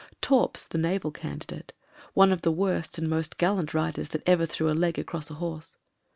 Torps — ^the naval candidate: one of the worst and most gallant riders that ever threw a leg across a horse.